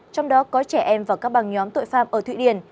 trong đó có trẻ em và các băng nhóm tội phạm ở thụy điển